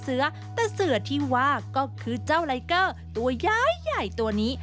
เสือแต่เสือที่ว่าก็คือเจ้าไลเกอร์ตัวย้ายใหญ่ตัวนี้